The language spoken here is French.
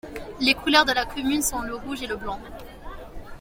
Les couleurs de la commune sont le rouge et le blanc.